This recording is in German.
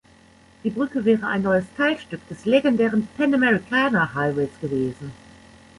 Die Brücke wäre ein neues Teilstück des legendären Panamericana-Highways gewesen.